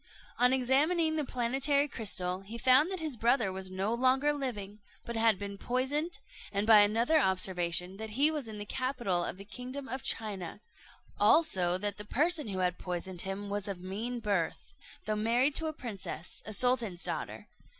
On examining the planetary crystal, he found that his brother was no longer living, but had been poisoned; and by another observation, that he was in the capital of the kingdom of China; also, that the person who had poisoned him was of mean birth, though married to a princess, a sultan's daughter.